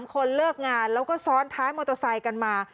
คนเลิกงานแล้วก็ซ้อนท้ายมอเตอร์ไซค์กันมา